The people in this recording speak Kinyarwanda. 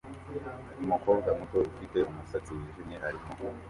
Umukobwa muto ufite umusatsi wijimye arimo